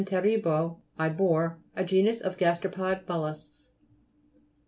terebro, I bore. A genus of gasteropod mollusks.